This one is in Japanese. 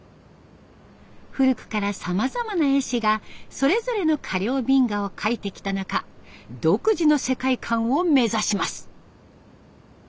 古くからさまざまな絵師がそれぞれの陵頻伽を描いてきた中独自の世界観を目指します。